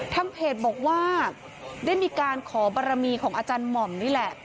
ทางเพจบอกว่าได้มีการขอบารมีของอาจารย์หม่อมนี่แหละ